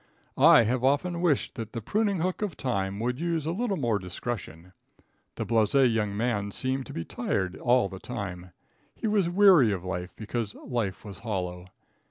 I have often wished that the pruning hook of time would use a little more discretion. The blase young man seemed to be tired all the time. He was weary of life because life was hollow.